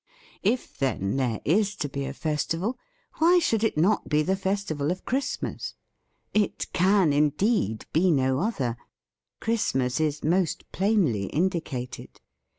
If then, there is to be a festival, why should it not be the festival of Christ mas? It can, indeed, be no other. Christmas is most plainly indicated.